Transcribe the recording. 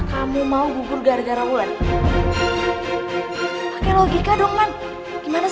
kau disana terbaring nyata